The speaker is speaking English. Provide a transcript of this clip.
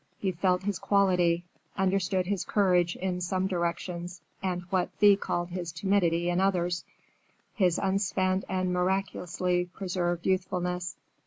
He felt his quality; understood his courage in some directions and what Thea called his timidity in others, his unspent and miraculously preserved youthfulness.